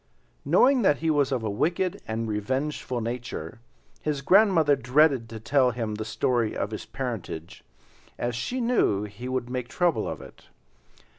Knowing that he was of a wicked and revengeful nature, his grandmother dreaded to tell him the story of his parentage, as she knew he would make trouble of it.